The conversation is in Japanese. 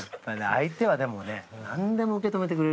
相手はでもねなんでも受け止めてくれるから。